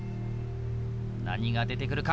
何が出てくるか？